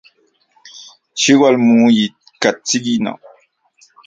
Xiualmuikatsino.